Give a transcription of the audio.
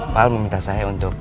pak al meminta saya untuk